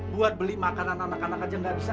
buat beli makanan anak anak aja gak bisa